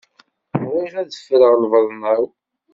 Bɣiɣ ad ffreɣ lbaḍna-w.